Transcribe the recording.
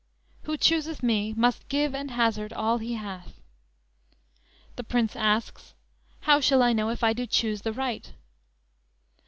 "Who chooseth me, must give and hazard all he hath." The Prince asks: _"How shall I know if I do choose the right?"